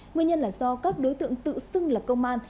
nguyên nhân là do các đối tượng tự xưng là công an